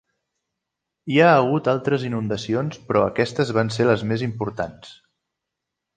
Hi ha hagut altres inundacions però aquestes van ser les més importants.